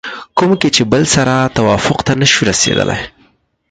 کوم کې چې بل سره توافق ته نشو رسېدلی